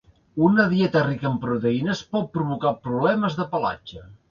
Una dieta rica en proteïnes pot provocar problemes de pelatge.